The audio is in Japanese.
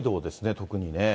特にね。